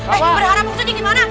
eh berharap tuh jadi gimana